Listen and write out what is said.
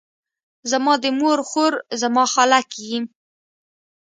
زما د مور خور، زما خاله کیږي.